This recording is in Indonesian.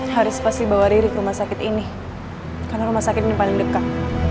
harus pasti bawa diri ke rumah sakit ini karena rumah sakit ini paling dekat